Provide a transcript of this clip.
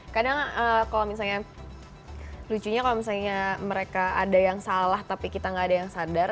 kadang kalau misalnya lucunya kalau misalnya mereka ada yang salah tapi kita nggak ada yang sadar